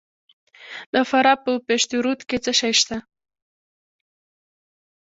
د فراه په پشترود کې څه شی شته؟